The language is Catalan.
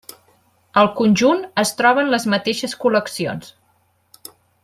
El conjunt es troba en les mateixes col·leccions.